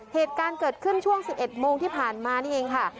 เหตุการณ์เกิดขึ้นช่วง๑๑โมงที่ผ่านมานี่เองค่ะ